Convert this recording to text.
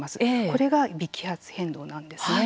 これが微気圧変動なんですね。